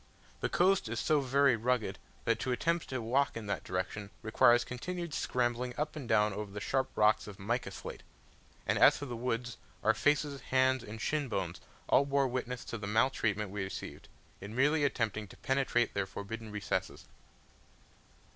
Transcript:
The coast is so very rugged that to attempt to walk in that direction requires continued scrambling up and down over the sharp rocks of mica slate; and as for the woods, our faces, hands, and shin bones all bore witness to the maltreatment we received, in merely attempting to penetrate their forbidden recesses.